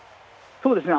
☎そうですね